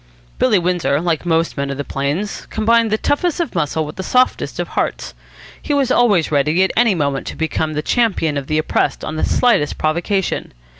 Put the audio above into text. Billy Windsor, like most men of the plains, combined the toughest of muscle with the softest of hearts. He was always ready at any moment to become the champion of the oppressed on the slightest provocation.